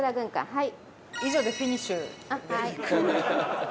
はい。